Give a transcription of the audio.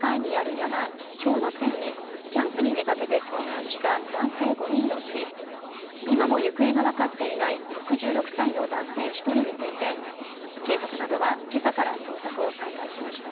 山にキャンプに出かけて遭難した男性５人のうち今も行方が分かっていない６６歳の男性１人について警察などは、けさから捜索を再開しました。